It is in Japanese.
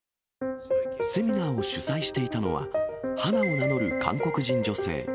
セミナーを主催していたのは、花を名乗る韓国人女性。